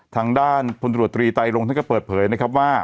ทางด้านพลตรวจตรีไตรลงท่านก็เปิดเผยนะครับว่า